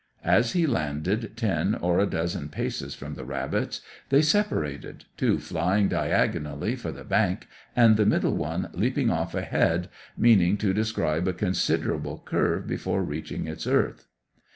As he landed, ten or a dozen paces from the rabbits, they separated, two flying diagonally for the bank, and the middle one leaping off ahead, meaning to describe a considerable curve before reaching its earth.